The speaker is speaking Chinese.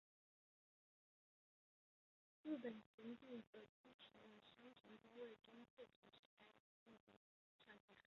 日本潜艇所击沉的商船吨位中四成是该种艇创下。